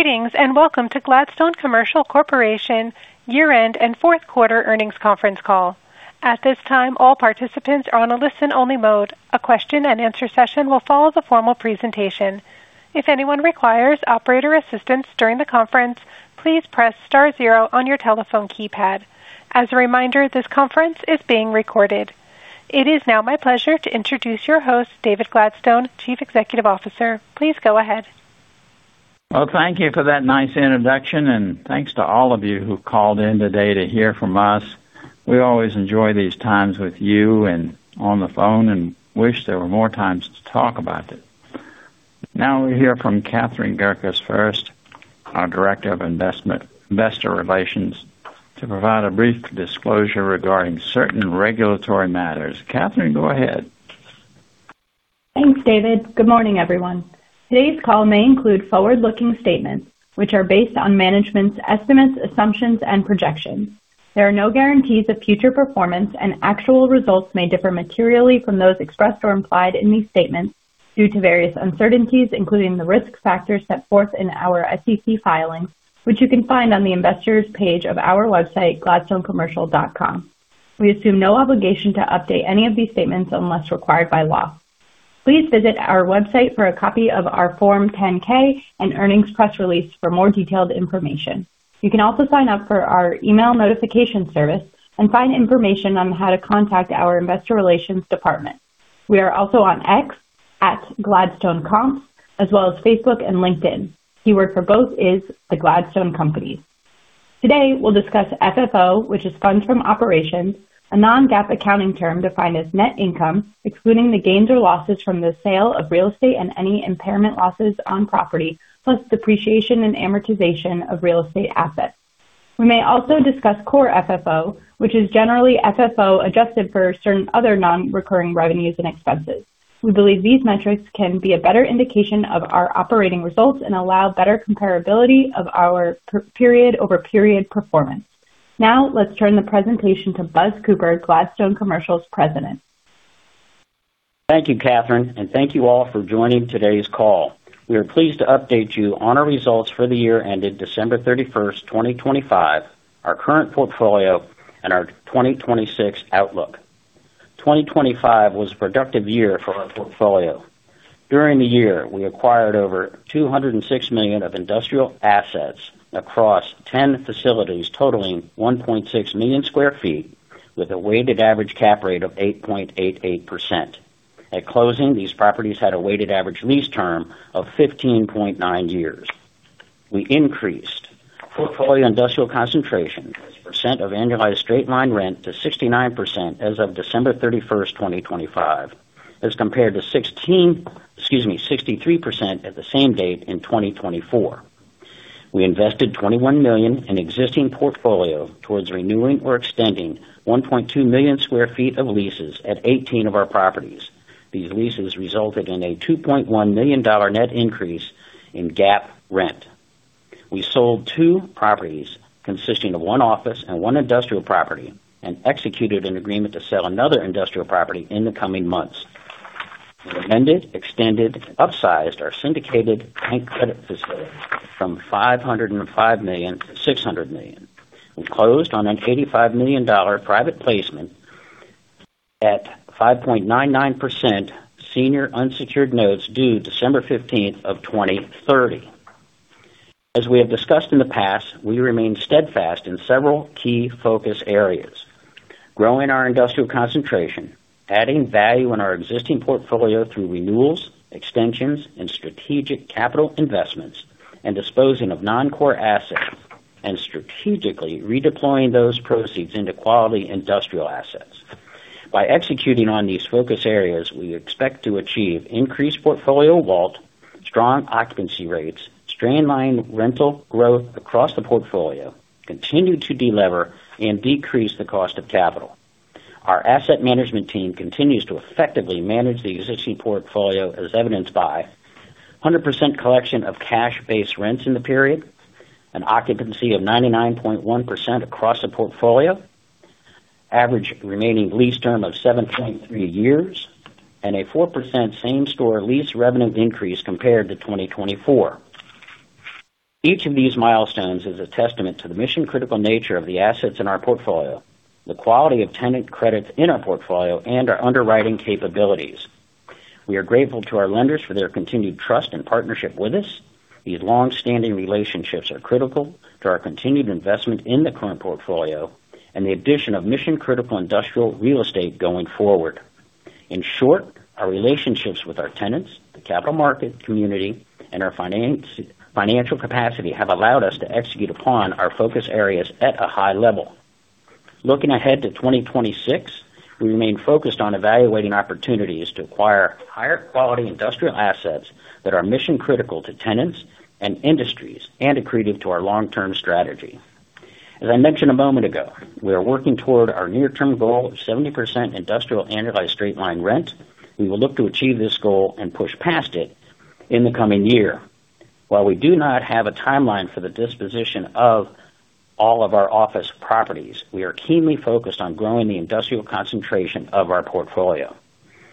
Greetings, and welcome to Gladstone Commercial Corporation Year-end and Fourth Quarter Earnings Conference Call. At this time, all participants are on a listen-only mode. A question-and-answer session will follow the formal presentation. If anyone requires operator assistance during the conference, please press star zero on your telephone keypad. As a reminder, this conference is being recorded. It is now my pleasure to introduce your host, David Gladstone, Chief Executive Officer. Please go ahead. Well, thank you for that nice introduction, and thanks to all of you who called in today to hear from us. We always enjoy these times with you and on the phone, and wish there were more times to talk about it. Now we'll hear from Catherine Gerkis first, our Director of Investor Relations, to provide a brief disclosure regarding certain regulatory matters. Catherine, go ahead. Thanks, David. Good morning, everyone. Today's call may include forward-looking statements which are based on management's estimates, assumptions, and projections. There are no guarantees of future performance, and actual results may differ materially from those expressed or implied in these statements due to various uncertainties, including the risk factors set forth in our SEC filings, which you can find on the Investors page of our website, gladstonecommercial.com. We assume no obligation to update any of these statements unless required by law. Please visit our website for a copy of our Form 10-K and earnings press release for more detailed information. You can also sign up for our email notification service and find information on how to contact our investor relations department. We are also on X, at Gladstone Comp, as well as Facebook and LinkedIn. Keyword for both is the Gladstone Companies. Today, we'll discuss FFO, which is funds from operations, a non-GAAP accounting term defined as net income, excluding the gains or losses from the sale of real estate and any impairment losses on property, plus depreciation and amortization of real estate assets. We may also discuss core FFO, which is generally FFO, adjusted for certain other non-recurring revenues and expenses. We believe these metrics can be a better indication of our operating results and allow better comparability of our period-over-period performance. Now, let's turn the presentation to Buzz Cooper, Gladstone Commercial's President. Thank you, Catherine, and thank you all for joining today's call. We are pleased to update you on our results for the year ended December 31st, 2025, our current portfolio, and our 2026 outlook. 2025 was a productive year for our portfolio. During the year, we acquired over $206 million of industrial assets across 10 facilities, totaling 1.6 million sq ft, with a weighted average cap rate of 8.88%. At closing, these properties had a weighted average lease term of 15.9 years. We increased portfolio industrial concentration as a percent of annualized straight-line rent to 69% as of December 31st, 2025, as compared to 16%, excuse me, 63% at the same date in 2024. We invested $21 million in existing portfolio towards renewing or extending 1.2 million sq ft of leases at 18 of our properties. These leases resulted in a $2.1 million net increase in GAAP rent. We sold two properties consisting of one office and one industrial property, and executed an agreement to sell another industrial property in the coming months. We amended, extended, upsized our syndicated bank credit facility from $505 million-$600 million. We closed on an $85 million private placement at 5.99% senior unsecured notes due December 15th, 2030. As we have discussed in the past, we remain steadfast in several key focus areas, growing our industrial concentration, adding value in our existing portfolio through renewals, extensions, and strategic capital investments, and disposing of non-core assets and strategically redeploying those proceeds into quality industrial assets. By executing on these focus areas, we expect to achieve increased portfolio value, strong occupancy rates, straight-line rental growth across the portfolio, continue to delever and decrease the cost of capital. Our asset management team continues to effectively manage the existing portfolio, as evidenced by 100% collection of cash-based rents in the period, an occupancy of 99.1% across the portfolio, average remaining lease term of 7.3 years, and a 4% same-store lease revenue increase compared to 2024. Each of these milestones is a testament to the mission-critical nature of the assets in our portfolio, the quality of tenant credits in our portfolio, and our underwriting capabilities. We are grateful to our lenders for their continued trust and partnership with us. These long-standing relationships are critical to our continued investment in the current portfolio and the addition of mission-critical industrial real estate going forward. In short, our relationships with our tenants, the capital market community, and our financial capacity have allowed us to execute upon our focus areas at a high level. Looking ahead to 2026, we remain focused on evaluating opportunities to acquire higher quality industrial assets that are mission-critical to tenants and industries, and accretive to our long-term strategy. As I mentioned a moment ago, we are working toward our near-term goal of 70% industrial annualized straight line rent. We will look to achieve this goal and push past it in the coming year. While we do not have a timeline for the disposition of all of our office properties, we are keenly focused on growing the industrial concentration of our portfolio.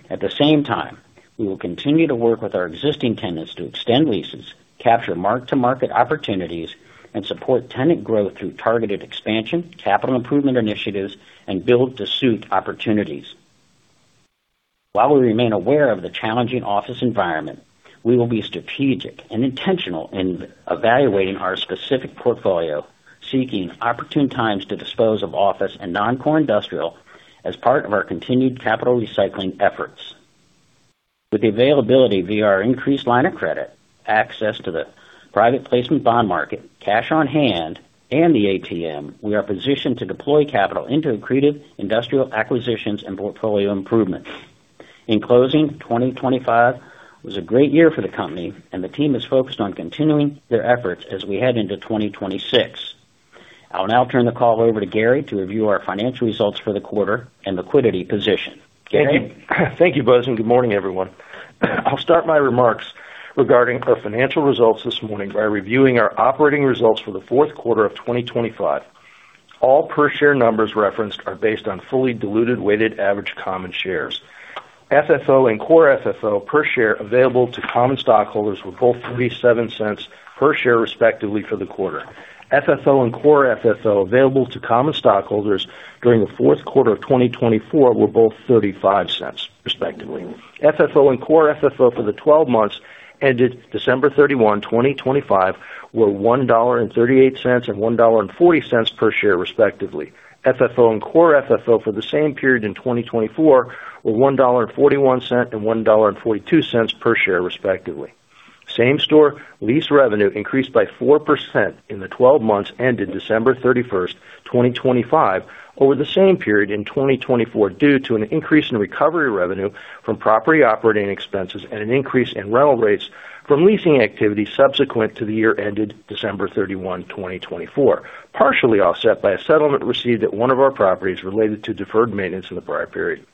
At the same time, we will continue to work with our existing tenants to extend leases, capture mark-to-market opportunities, and support tenant growth through targeted expansion, capital improvement initiatives, and build-to-suit opportunities. While we remain aware of the challenging office environment, we will be strategic and intentional in evaluating our specific portfolio, seeking opportune times to dispose of office and non-core industrial as part of our continued capital recycling efforts. With the availability via our increased line of credit, access to the private placement bond market, cash on hand, and the ATM, we are positioned to deploy capital into accretive industrial acquisitions and portfolio improvements. In closing, 2025 was a great year for the company, and the team is focused on continuing their efforts as we head into 2026. I'll now turn the call over to Gary to review our financial results for the quarter and liquidity position. Gary? Thank you, Buzz, and good morning, everyone. I'll start my remarks regarding our financial results this morning by reviewing our operating results for the fourth quarter of 2025. All per share numbers referenced are based on fully diluted weighted average common shares. FFO and core FFO per share available to common stockholders were both $0.37 per share, respectively, for the quarter. FFO and core FFO available to common stockholders during the fourth quarter of 2024 were both $0.35, respectively. FFO and core FFO for the 12 months ended December 31, 2025, were $1.38 and $1.40 per share, respectively. FFO and core FFO for the same period in 2024 were $1.41, and $1.42 per share, respectively. Same-store lease revenue increased by 4% in the 12 months ended December 31st, 2025, over the same period in 2024, due to an increase in recovery revenue from property operating expenses and an increase in rental rates from leasing activity subsequent to the year ended December 31, 2024, partially offset by a settlement received at one of our properties related to deferred maintenance in the prior period.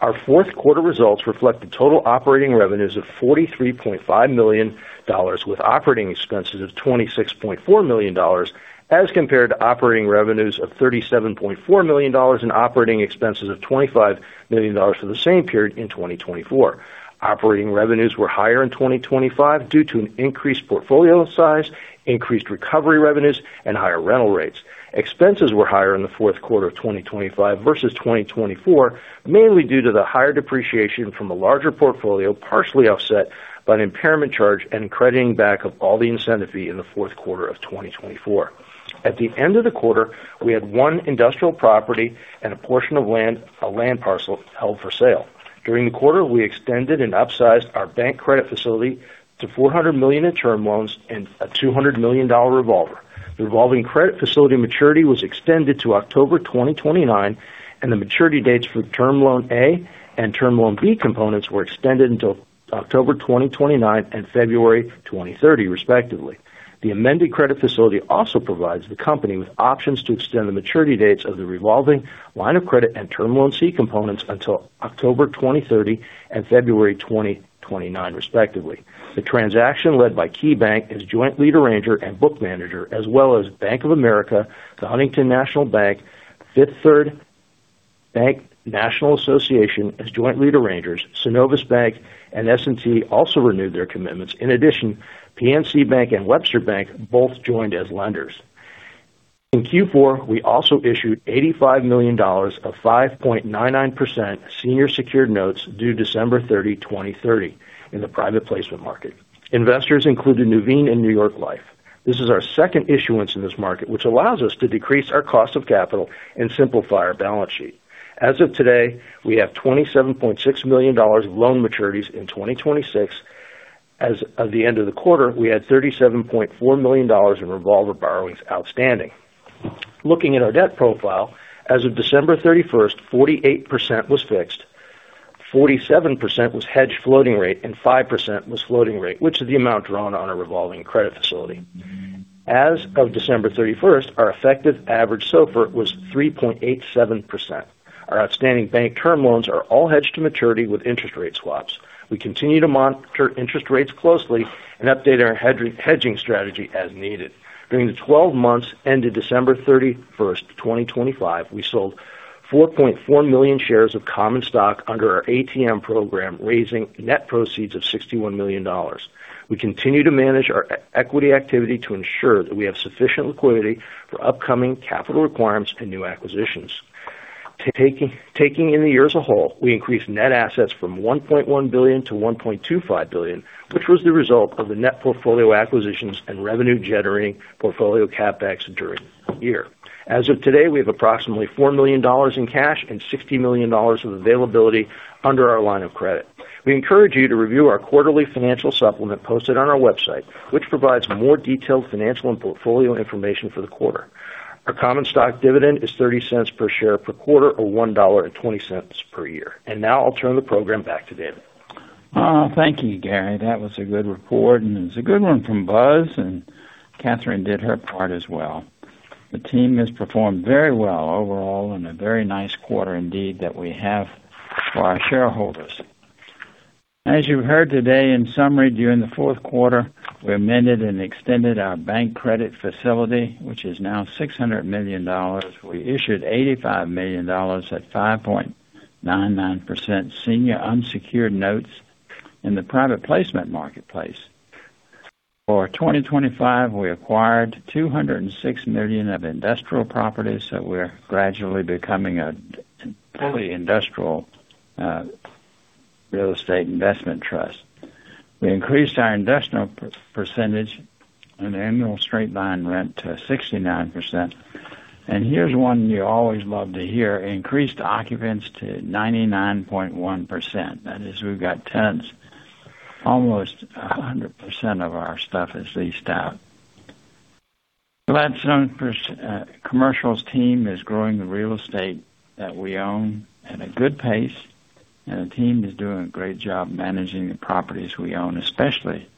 Our fourth quarter results reflect the total operating revenues of $43.5 million, with operating expenses of $26.4 million, as compared to operating revenues of $37.4 million and operating expenses of $25 million for the same period in 2024. Operating revenues were higher in 2025 due to an increased portfolio size, increased recovery revenues, and higher rental rates. Expenses were higher in the fourth quarter of 2025 versus 2024, mainly due to the higher depreciation from a larger portfolio, partially offset by an impairment charge and crediting back of all the incentive fee in the fourth quarter of 2024. At the end of the quarter, we had one industrial property and a portion of land, a land parcel, held for sale. During the quarter, we extended and upsized our bank credit facility to $400 million in term loans and a $200 million revolver. The revolving credit facility maturity was extended to October 2029, and the maturity dates for Term Loan A and Term Loan B components were extended until October 2029 and February 2030, respectively. The amended credit facility also provides the company with options to extend the maturity dates of the revolving line of credit and Term Loan C components until October 2030 and February 2029, respectively. The transaction, led by KeyBank as joint lead arranger and book manager, as well as Bank of America, The Huntington National Bank, Fifth Third Bank, National Association, as joint lead arrangers, Synovus Bank and S&T Bank also renewed their commitments. In addition, PNC Bank and Webster Bank both joined as lenders. In Q4, we also issued $85 million of 5.99% senior secured notes due December 30, 2030, in the private placement market. Investors included Nuveen and New York Life. This is our second issuance in this market, which allows us to decrease our cost of capital and simplify our balance sheet. As of today, we have $27.6 million of loan maturities in 2026. As of the end of the quarter, we had $37.4 million in revolver borrowings outstanding. Looking at our debt profile, as of December 31st, 48% was fixed, 47% was hedged floating rate, and 5% was floating rate, which is the amount drawn on our revolving credit facility. As of December 31st, our effective average SOFR was 3.87%. Our outstanding bank term loans are all hedged to maturity with interest rate swaps. We continue to monitor interest rates closely and update our hedging strategy as needed. During the 12 months ended December 31st, 2025, we sold 4.4 million shares of common stock under our ATM program, raising net proceeds of $61 million. We continue to manage our equity activity to ensure that we have sufficient liquidity for upcoming capital requirements and new acquisitions. Taking in the year as a whole, we increased net assets from $1.1 billion-$1.25 billion, which was the result of the net portfolio acquisitions and revenue-generating portfolio CapEx during the year. As of today, we have approximately $4 million in cash and $60 million of availability under our line of credit. We encourage you to review our quarterly financial supplement posted on our website, which provides more detailed financial and portfolio information for the quarter. Our common stock dividend is $0.30 per share per quarter, or $1.20 per year. Now I'll turn the program back to David. Thank you, Gary. That was a good report, and it's a good one from Buzz, and Catherine did her part as well. The team has performed very well overall, and a very nice quarter indeed that we have for our shareholders. As you've heard today, in summary, during the fourth quarter, we amended and extended our bank credit facility, which is now $600 million. We issued $85 million at 5.99% senior unsecured notes in the private placement marketplace. For 2025, we acquired $206 million of industrial properties, so we're gradually becoming a fully industrial real estate investment trust. We increased our industrial percentage and annual straight line rent to 69%. Here's one you always love to hear: increased occupancy to 99.1%. That is, we've got tenants. Almost 100% of our stuff is leased out. Gladstone Commercial's team is growing the real estate that we own at a good pace, and the team is doing a great job managing the properties we own, especially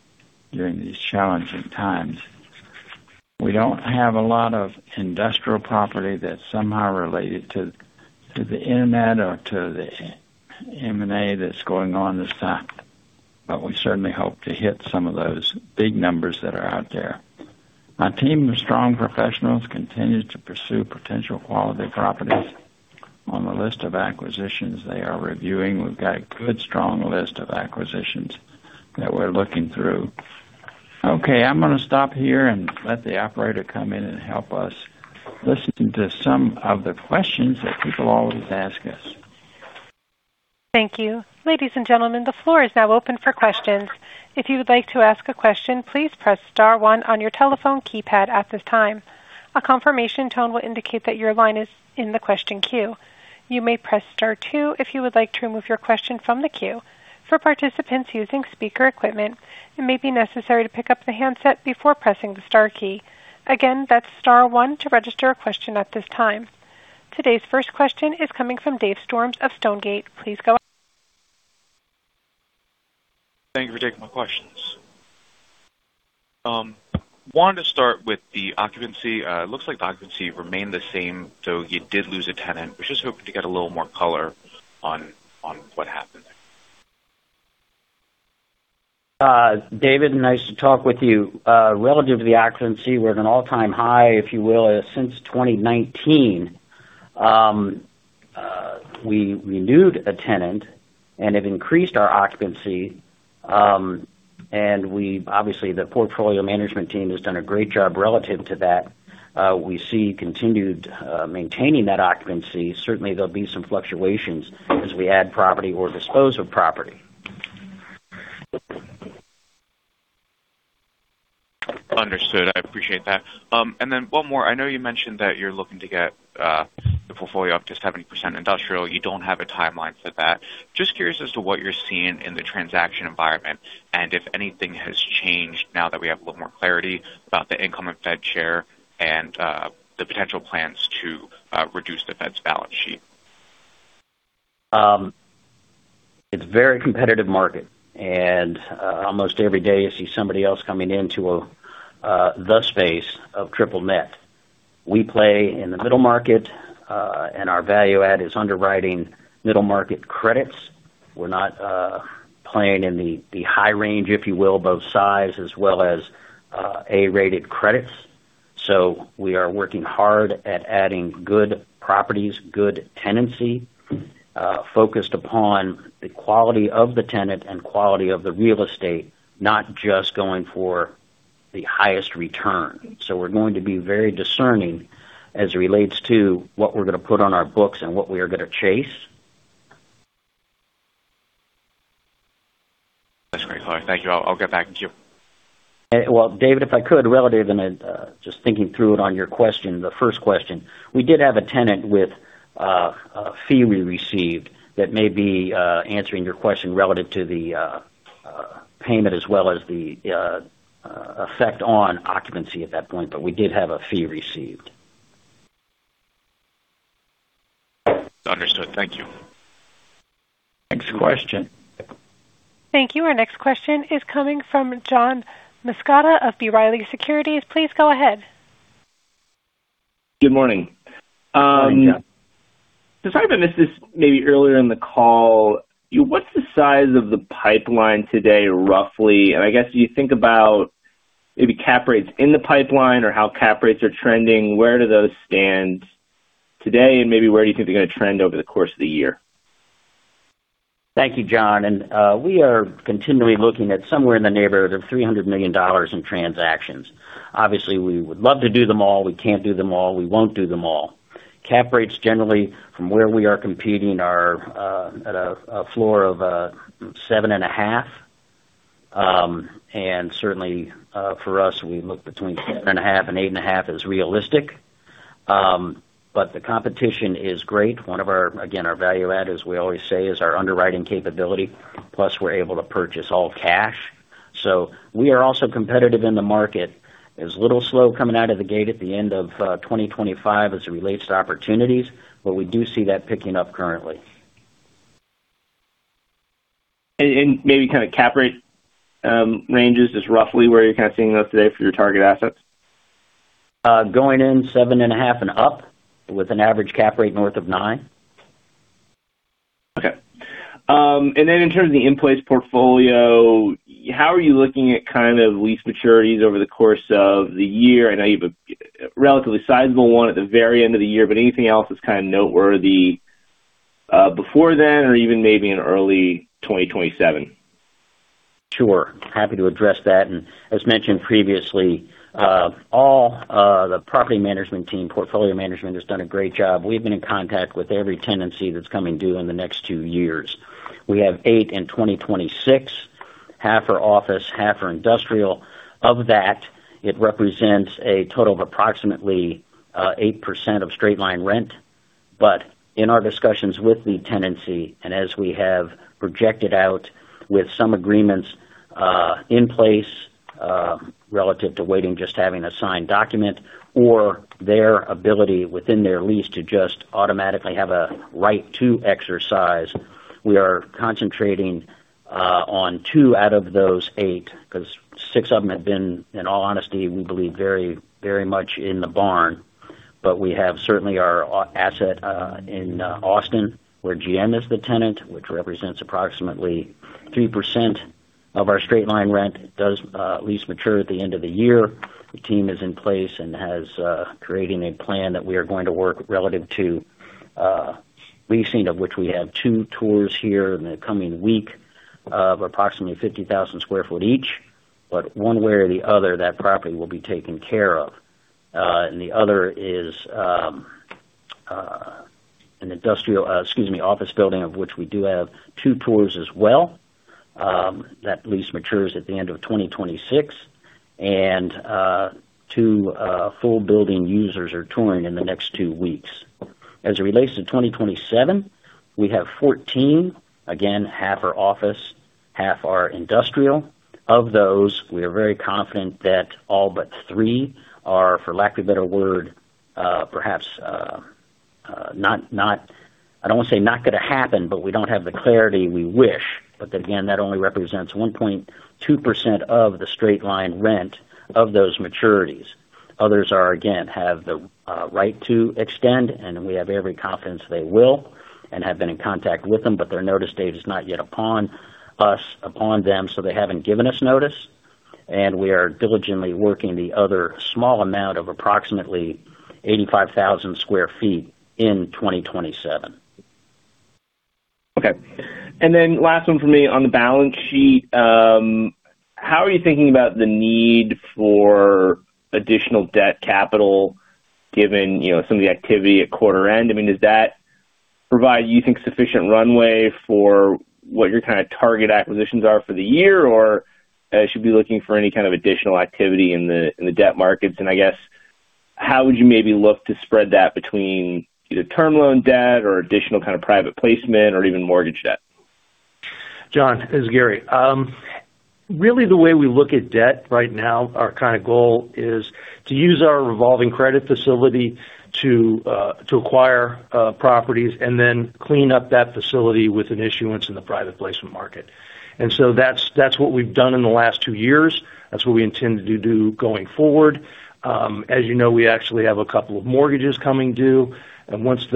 during these challenging times. We don't have a lot of industrial property that's somehow related to the internet or to the M&A that's going on this time, but we certainly hope to hit some of those big numbers that are out there. My team of strong professionals continues to pursue potential quality properties. On the list of acquisitions they are reviewing, we've got a good, strong list of acquisitions that we're looking through. Okay, I'm gonna stop here and let the operator come in and help us listen to some of the questions that people always ask us. Thank you. Ladies and gentlemen, the floor is now open for questions. If you would like to ask a question, please press star one on your telephone keypad at this time. A confirmation tone will indicate that your line is in the question queue. You may press star two if you would like to remove your question from the queue. For participants using speaker equipment, it may be necessary to pick up the handset before pressing the star key. Again, that's star one to register a question at this time. Today's first question is coming from Dave Storms of Stonegate. Please go. Thank you for taking my questions. Wanted to start with the occupancy. It looks like the occupancy remained the same, though you did lose a tenant. Was just hoping to get a little more color on, on what happened there. David, nice to talk with you. Relative to the occupancy, we're at an all-time high, if you will, since 2019. We renewed a tenant and it increased our occupancy, and we've obviously, the portfolio management team has done a great job relative to that. We see continued maintaining that occupancy. Certainly, there'll be some fluctuations as we add property or dispose of property. Understood. I appreciate that. And then one more. I know you mentioned that you're looking to get the portfolio up to 70% industrial. You don't have a timeline for that. Just curious as to what you're seeing in the transaction environment and if anything has changed now that we have a little more clarity about the incoming Fed chair and the potential plans to reduce the Fed's balance sheet. It's a very competitive market, and almost every day you see somebody else coming into the space of triple net. We play in the middle market, and our value add is underwriting middle-market credits. We're not playing in the high range, if you will, both size as well as A-rated credits. So we are working hard at adding good properties, good tenancy, focused upon the quality of the tenant and quality of the real estate, not just going for the highest return. So we're going to be very discerning as it relates to what we're gonna put on our books and what we are gonna chase. That's great color. Thank you. I'll get back to you. Well, David, if I could, relative and, just thinking through it on your question, the first question, we did have a tenant with, a fee we received that may be, answering your question relative to the, payment as well as the, effect on occupancy at that point, but we did have a fee received. Understood. Thank you. Next question. Thank you. Our next question is coming from John Massocca of B. Riley Securities. Please go ahead. Good morning. Good morning, John. Sorry if I missed this maybe earlier in the call. What's the size of the pipeline today, roughly? And I guess, do you think about maybe cap rates in the pipeline or how cap rates are trending, where do those stand today, and maybe where do you think they're gonna trend over the course of the year? Thank you, John. We are continually looking at somewhere in the neighborhood of $300 million in transactions. Obviously, we would love to do them all. We can't do them all. We won't do them all. Cap rates, generally, from where we are competing, are at a floor of 7.5%. Certainly, for us, we look between 7.5%-8.5% as realistic. The competition is great. One of our, again, our value add, as we always say, is our underwriting capability, plus we're able to purchase all cash. We are also competitive in the market. There's a little slow coming out of the gate at the end of 2025 as it relates to opportunities, but we do see that picking up currently. Maybe kind of cap rate ranges, just roughly where you're kind of seeing those today for your target assets? Going in 7.5%+, with an average cap rate north of 9%. Okay and then in terms of the in-place portfolio, how are you looking at kind of lease maturities over the course of the year? I know you have a relatively sizable one at the very end of the year, but anything else that's kind of noteworthy before then, or even maybe in early 2027? Sure. Happy to address that. As mentioned previously, all the property management team, portfolio management, has done a great job. We've been in contact with every tenancy that's coming due in the next two years. We have eight in 2026, half are office, half are industrial. Of that, it represents a total of approximately 8% of straight line rent. But in our discussions with the tenancy, and as we have projected out with some agreements in place relative to waiting just having a signed document or their ability within their lease to just automatically have a right to exercise, we are concentrating on two out of those eight, because six of them have been, in all honesty, we believe, very, very much in the barn. But we have certainly our asset in Austin, where GM is the tenant, which represents approximately 3% of our straight line rent. Does lease mature at the end of the year. The team is in place and has creating a plan that we are going to work relative to leasing, of which we have two tours here in the coming week of approximately 50,000 sq ft each. But one way or the other, that property will be taken care of. And the other is an industrial, excuse me, office building, of which we do have two tours as well. That lease matures at the end of 2026, and two full building users are touring in the next two weeks. As it relates to 2027, we have 14, again, half are office, half are industrial. Of those, we are very confident that all but three are, for lack of a better word, perhaps, not, not I don't want to say not going to happen, but we don't have the clarity we wish. But again, that only represents 1.2% of the straight line rent of those maturities. Others are, again, have the, right to extend, and we have every confidence they will and have been in contact with them, but their notice date is not yet upon us, upon them, so they haven't given us notice, and we are diligently working the other small amount of approximately 85,000 sq ft in 2027. Okay. And then last one for me. On the balance sheet, how are you thinking about the need for additional debt capital, given, you know, some of the activity at quarter end? I mean, does that provide, you think, sufficient runway for what your kind of target acquisitions are for the year? Or I should be looking for any kind of additional activity in the, in the debt markets. And I guess, how would you maybe look to spread that between either term loan debt or additional kind of private placement or even mortgage debt? John, this is Gary. Really, the way we look at debt right now, our kind of goal is to use our revolving credit facility to acquire properties and then clean up that facility with an issuance in the private placement market. And so that's what we've done in the last two years. That's what we intend to do going forward. As you know, we actually have a couple of mortgages coming due, and once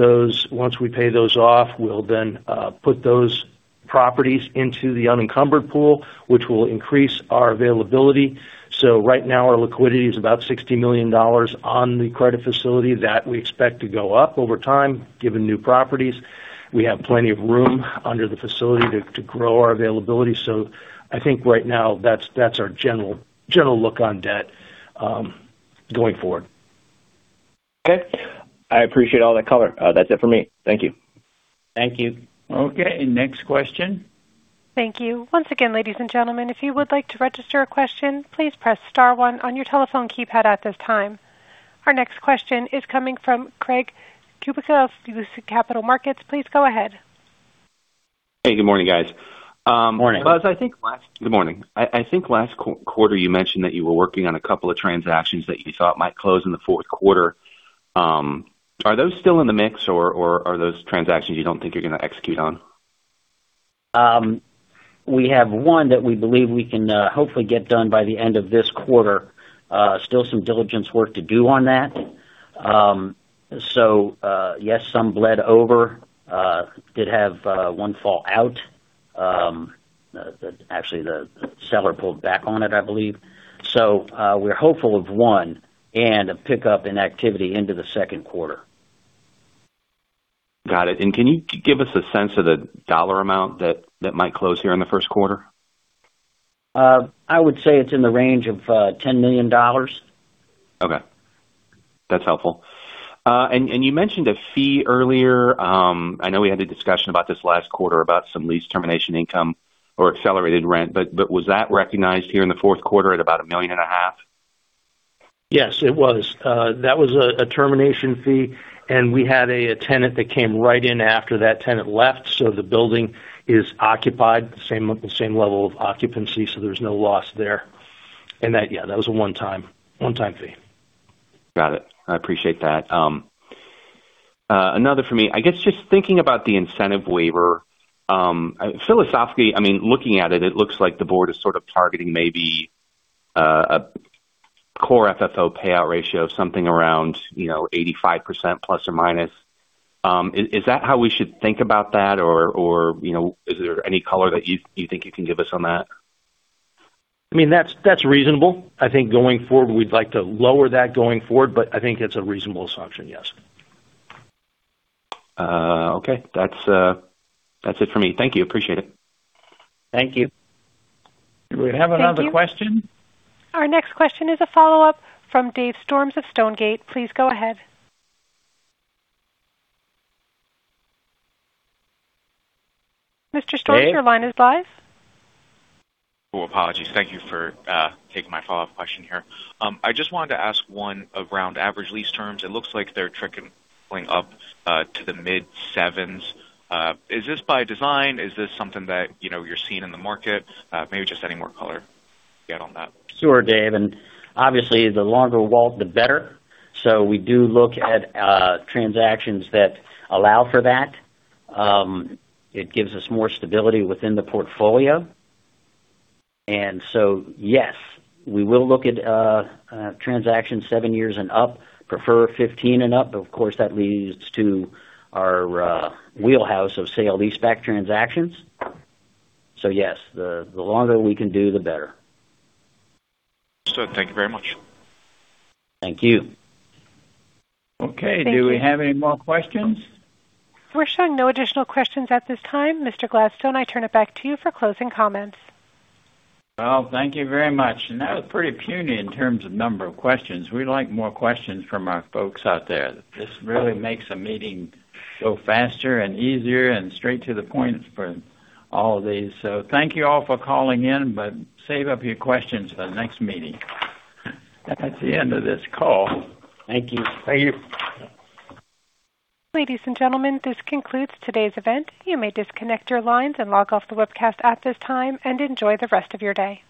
we pay those off, we'll then put those properties into the unencumbered pool, which will increase our availability. So right now, our liquidity is about $60 million on the credit facility that we expect to go up over time, given new properties. We have plenty of room under the facility to grow our availability. So I think right now, that's our general look on debt going forward. Okay. I appreciate all that color. That's it for me. Thank you. Thank you. Okay, next question. Thank you. Once again, ladies and gentlemen, if you would like to register a question, please press star one on your telephone keypad at this time. Our next question is coming from Craig Kubica of Capital Markets. Please go ahead. Hey, good morning, guys. Morning. Buzz, good morning. I think last quarter, you mentioned that you were working on a couple of transactions that you thought might close in the fourth quarter. Are those still in the mix, or are those transactions you don't think you're going to execute on? We have one that we believe we can hopefully get done by the end of this quarter. Still some diligence work to do on that. So, yes, some bled over. Did have one fall out. Actually, the seller pulled back on it, I believe. So, we're hopeful of one and a pickup in activity into the second quarter. Got it. Can you give us a sense of the dollar amount that might close here in the first quarter? I would say it's in the range of $10 million. Okay. That's helpful and you mentioned a fee earlier. I know we had a discussion about this last quarter about some lease termination income or accelerated rent, but was that recognized here in the fourth quarter at about $1.5 million? Yes, it was. That was a termination fee, and we had a tenant that came right in after that tenant left, so the building is occupied, the same level of occupancy, so there's no loss there and that, yeah, that was a one-time fee. Got it. I appreciate that, another for me. I guess just thinking about the incentive waiver, philosophically, I mean, looking at it, it looks like the board is sort of targeting maybe, a core FFO payout ratio of something around, you know, 85% ±. Is that how we should think about that, or, you know, is there any color that you think you can give us on that? I mean, that's, that's reasonable. I think going forward, we'd like to lower that going forward, but I think it's a reasonable assumption, yes. Okay. That's, that's it for me. Thank you. Appreciate it. Thank you. Do we have another question? Our next question is a follow-up from Dave Storms of Stonegate. Please go ahead. Mr. Storms, your line is live. Oh, apologies. Thank you for taking my follow-up question here. I just wanted to ask one around average lease terms. It looks like they're trickling up to the mid-sevens. Is this by design? Is this something that, you know, you're seeing in the market? Maybe just any more color you can get on that. Sure, Dave, and obviously, the longer the WALT, the better. So we do look at transactions that allow for that. It gives us more stability within the portfolio. So, yes, we will look at transactions seven years and up, prefer 15 and up, but of course, that leads to our wheelhouse of sale-leaseback transactions. So yes, the longer we can do, the better. Understood. Thank you very much. Thank you. Okay. Thank you. Do we have any more questions? We're showing no additional questions at this time. Mr. Gladstone, I turn it back to you for closing comments. Well, thank you very much. That was pretty puny in terms of number of questions. We like more questions from our folks out there. This really makes a meeting go faster and easier and straight to the point for all of these. Thank you all for calling in, but save up your questions for the next meeting. That's the end of this call. Thank you. Thank you. Ladies and gentlemen, this concludes today's event. You may disconnect your lines and log off the webcast at this time, and enjoy the rest of your day.